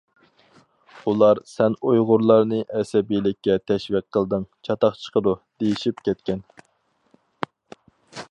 ئۇلار «سەن ئۇيغۇرلارنى ئەسەبىيلىككە تەشۋىق قىلدىڭ، چاتاق چىقىدۇ» دېيىشىپ كەتكەن.